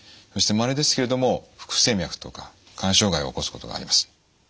そしてまれですけれども不整脈とか肝障害を起こすことがあります。